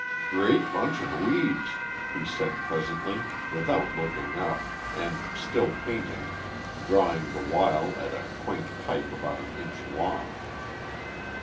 "Great bunch of weeds," he said presently, without looking up, and still painting, drawing the while at a quaint pipe about an inch long.